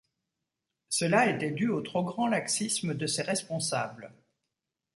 Cela était du au trop grand laxisme de ses responsables.